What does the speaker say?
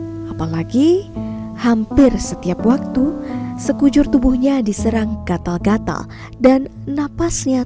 mesno tak mampu apalagi hampir setiap waktu sekujur tubuhnya diserang gatal gatal dan napasnya